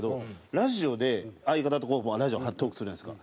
ラジオで相方とこうラジオトークするじゃないですか。